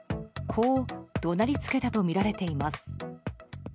こう怒鳴りつけたとみられています。